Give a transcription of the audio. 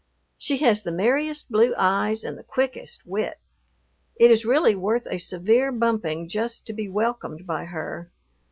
She has the merriest blue eyes and the quickest wit. It is really worth a severe bumping just to be welcomed by her.